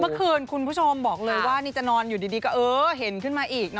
คุณผู้ชมบอกเลยว่านี่จะนอนอยู่ดีก็เออเห็นขึ้นมาอีกนะ